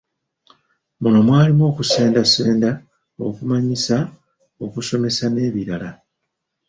Muno mwalimu okusendasenda, okumanyisa, okusomesa n’ebirala.